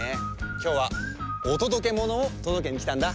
きょうはおとどけものをとどけにきたんだ。